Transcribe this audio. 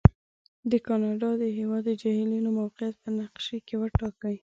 د کاناډا د هېواد د جهیلونو موقعیت په نقشې کې وټاکئ.